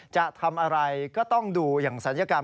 จะทำอะไรก็ต้องดูอย่างศัลยกรรม